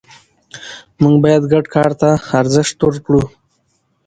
موږ باید ګډ کار ته ارزښت ورکړو